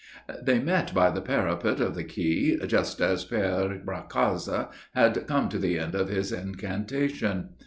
They met by the parapet of the Quai, just as Père Bracasse had come to the end of his incantation.